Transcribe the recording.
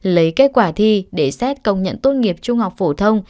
lấy kết quả thi để xét công nhận tốt nghiệp trung học phổ thông